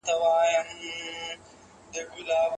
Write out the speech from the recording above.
هلک په ځمکه ولوېد او یو دروند غږ پورته شو.